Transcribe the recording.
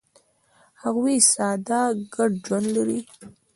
هغوی ساده ګډ ژوند لري.